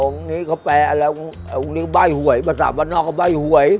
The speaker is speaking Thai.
นี้เขาแปลอะไรองค์นี้ใบ้หวยภาษาบ้านนอกเขาใบ้หวย